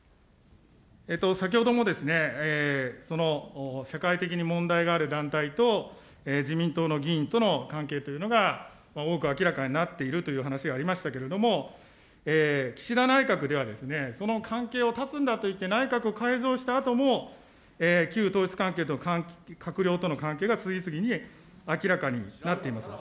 先ほどもその社会的に問題のある団体と、自民党の議員との関係というのが、多く明らかになっているという話ありましたけれども、岸田内閣では、その関係を断つんだと言って、内閣を改造したあとも旧統一関係と閣僚との関係が次々に明らかになっています。